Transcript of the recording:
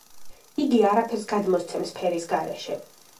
იგი არაფერს გადმოსცემს ფერის გარეშე.